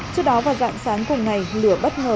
trước đó vào dạng sáng cùng ngày lửa bất ngờ